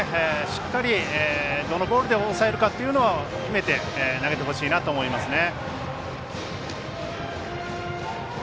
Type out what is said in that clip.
しっかり、どのボールで抑えるかっていうのを決めて投げてほしいなと思いますね。